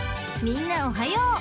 ［みんなおはよう。